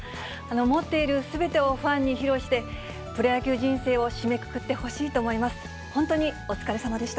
持っているすべてをファンに披露して、プロ野球人生を締めくくってほしいと思います。